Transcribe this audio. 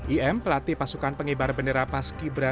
im pelatih pasukan pengibar bendera pas kibra